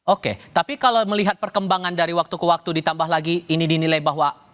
oke tapi kalau melihat perkembangan dari waktu ke waktu ditambah lagi ini dinilai bahwa